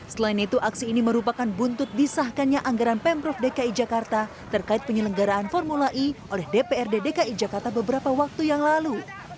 selain itu aksi ini merupakan buntut disahkannya anggaran pemprov dki jakarta terkait penyelenggaraan formula e oleh dprd dki jakarta beberapa waktu yang lalu